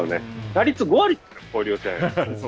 打率５割ですよ、交流戦。